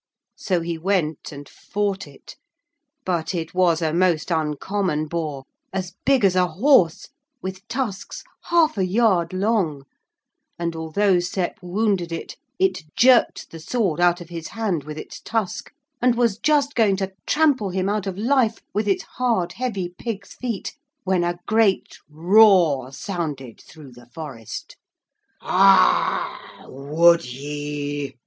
So he went and fought it. But it was a most uncommon boar, as big as a horse, with tusks half a yard long; and although Sep wounded it it jerked the sword out of his hand with its tusk, and was just going to trample him out of life with its hard, heavy pigs' feet, when a great roar sounded through the forest. 'Ah! would ye?'